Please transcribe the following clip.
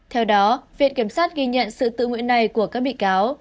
theo đó viện kiểm sát ghi nhận sự tự nguyện này của các bị cáo